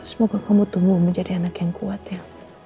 semoga kamu tumbuh menjadi anak yang kuat ya